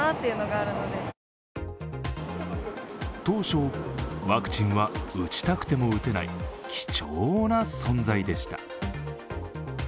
当初、ワクチンは打ちたくても打てない貴重な存在でした。